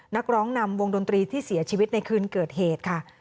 นักร้องนำวงดนตรีที่เสียชีวิตในคืนเกิดเหตุค่ะ